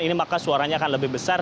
ini maka suaranya akan lebih besar